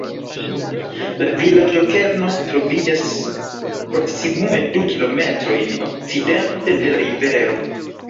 La vilaĝo-kerno troviĝas proksimume du kilometrojn okcidente de la rivero.